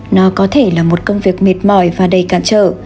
nó có thể là một công việc mệt mỏi và đầy cản trở